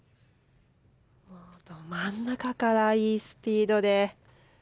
ど真ん中からいいスピードで。